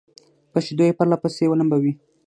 په شيدو يې پرله پسې ولمبوي